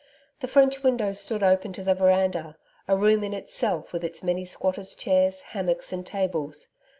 The French windows stood open to the veranda, a room in itself with its many squatters' chairs, hammocks and tables.